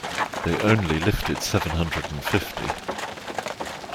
They only lifted seven hundred and fifty.